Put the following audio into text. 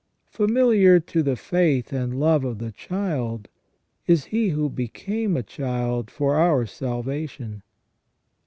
Familiar to the faith and love of the child is He who became a Child for our salvation.